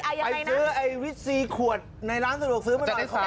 ไปซื้อไอ้วิสซีขวดในร้านสะดวกซื้อมาขายของ